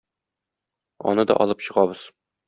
Аны да алып чыгабыз.